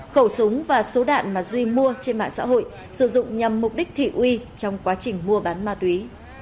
khẩu súng và số đạn mà duy mua trên mạng xã hội sử dụng nhằm mục đích thị uy trong quá trình mua bán ma túy